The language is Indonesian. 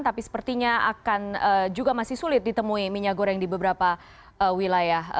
tapi sepertinya akan juga masih sulit ditemui minyak goreng di beberapa wilayah